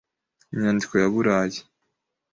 Inyandiko ya buraye